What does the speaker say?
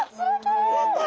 やった！